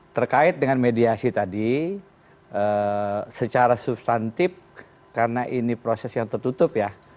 terkait dengan mediasi tadi secara substantif karena ini proses yang tertutup ya